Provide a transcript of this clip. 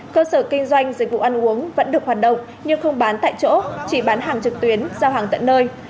cơ sở kinh doanh dịch vụ ăn uống vẫn được hoạt động nhưng không bán tại chỗ chỉ bán hàng trực tuyến giao hàng tận nơi